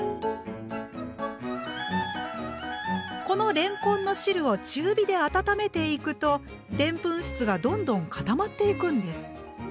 このれんこんの汁を中火で温めていくとでんぷん質がどんどん固まっていくんです。